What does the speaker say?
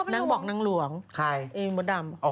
นางบอกนางหลวงเองมดดำ